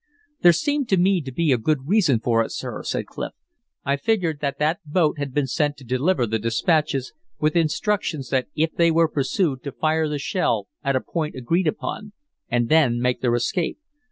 "There seemed to me to be a good reason for it, sir," said Clif. "I figured that that boat had been sent to deliver the dispatches, with instructions that if they were pursued to fire the shell at a point agreed upon, and then make their escape.